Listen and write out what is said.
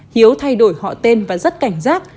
hiếu thay đổi họ tên và rất cảnh giác